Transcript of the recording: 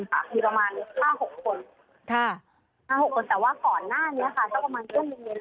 ญาติของเด็กอาจจะห้าสิบกว่าคนมีความเครียดสูงเนี่ย